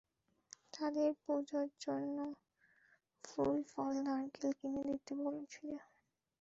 তাদের পূজার জন্য ফুল, ফল, নারকেল কিনে দিতে বলেছিলো।